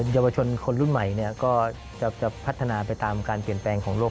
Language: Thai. เยาวชนคนรุ่นใหม่ก็จะพัฒนาไปตามการเปลี่ยนแปลงของโลก